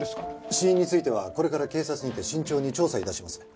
死因についてはこれから警察にて慎重に調査致します。